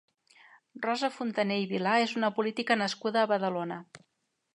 Rosa Funtané i Vilà és una política nascuda a Badalona.